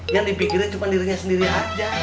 yang dipikirin cuma dirinya sendiri aja